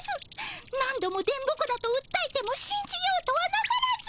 何度も電ボ子だとうったえてもしんじようとはなさらず。